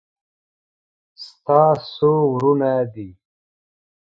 ستا څو ورونه دي